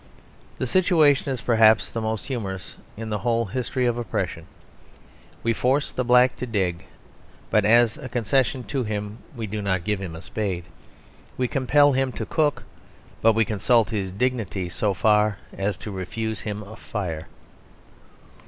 The situation is perhaps the most humorous in the whole history of oppression. We force the nigger to dig; but as a concession to him we do not give him a spade. We compel Sambo to cook; but we consult his dignity so far as to refuse him a fire.